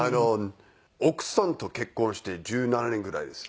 奥さんと結婚して１７年ぐらいです。